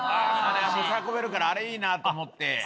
持ち運べるからあれいいなと思って。